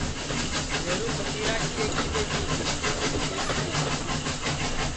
لیہرو پھکیرا کی ایکی ٻیٹی تی کیسری